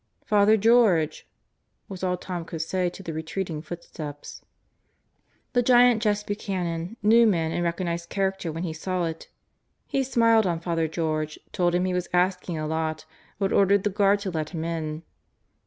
"Father George!" was all Tom could say to the retreating footsteps. The giant Jess Buchanan knew men and recognized character when he saw it. He smiled on Father George, told him he was asking a lot, but ordered the guard to let him in.